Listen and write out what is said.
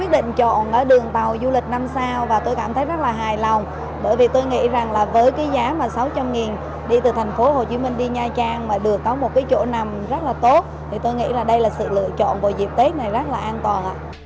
đi từ thành phố hồ chí minh đi nha trang mà được có một cái chỗ nằm rất là tốt thì tôi nghĩ là đây là sự lựa chọn của dịp tết này rất là an toàn ạ